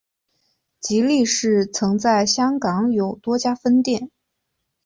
吉利市曾在香港有多家分店。